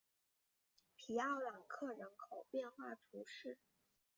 皮奥朗克人口变化图示